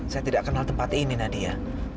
saya tidak kenal tempat ini nadia